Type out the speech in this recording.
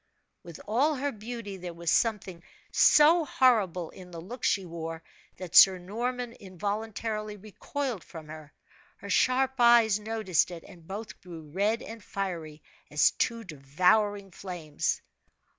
With all her beauty there was something so horrible in the look she wore, that Sir Norman involuntarily recoiled from her. Her sharp eyes noticed it, and both grew red and fiery as two devouring flames.